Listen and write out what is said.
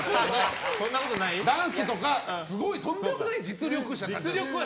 ダンスとか、すごいとんでもない実力者たち。